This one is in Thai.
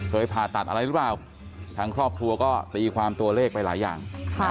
ผ่าตัดอะไรหรือเปล่าทางครอบครัวก็ตีความตัวเลขไปหลายอย่าง